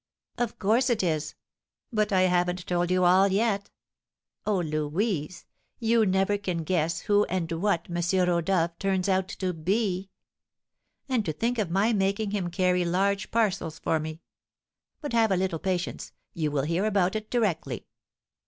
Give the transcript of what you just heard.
"Of course it is! But I haven't told you all yet. Oh, Louise, you never can guess who and what M. Rodolph turns out to be; and to think of my making him carry large parcels for me! But have a little patience, you will hear about it directly.